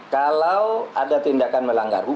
kalau ada tindakan melanggar hukum